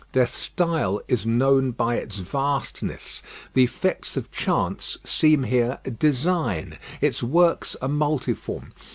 Their style is known by its vastness. The effects of chance seem here design. Its works are multiform.